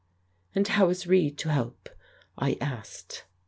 ... "And how is Reid to help? " I asked.